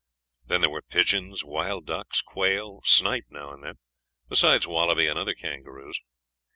Then there were pigeons, wild ducks, quail, snipe now and then, besides wallaby and other kangaroos.